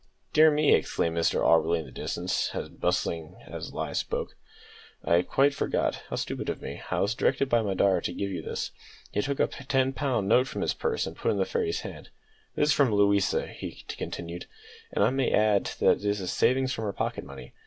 "Dear me!" exclaimed Mr Auberly in the distance, and bustling back as lie spoke; "I quite forgot; how stupid of me! I was directed by my daughter to give you this." He took a ten pound note from his purse, and put it into the fairy's hand. "This is from Louisa," he continued, "and I may add that it is the savings from her pocket money.